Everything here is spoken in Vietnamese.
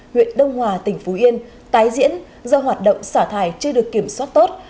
huyện đông hòa tỉnh phú yên tái diễn do hoạt động xả thải chưa được kiểm soát tốt